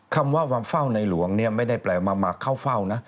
คำว่ามาเฝ้าในหลวงเนี่ยไม่ได้แปลว่ามาเข้าเฝ้านะ